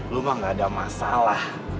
cuma gak ada masalah